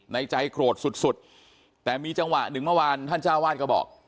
ในใจโกรธสุดแต่มีจังหวะ๑เมื่อวานท่านเจ้าอาวาสก็บอก